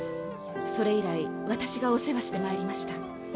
それ以来私がお世話してまいりました。